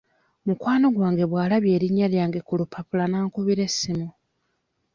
Mukwano gwange bw'alabye erinnya lyange ku lupapula n'ankubira essimu.